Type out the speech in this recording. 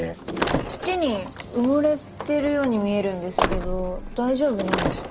土に埋もれてるように見えるんですけど大丈夫なんですか？